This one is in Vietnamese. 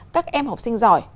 các em học sinh giỏi